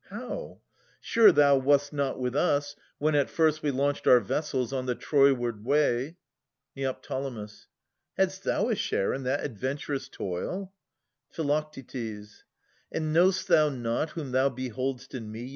How ? Sure thou wast not with us, when at first We launched our vessels on the Troyward way ? Neo. Hadst thou a share in that adventurous toil? Phi. And know'st thou not whom thou behold'st in me.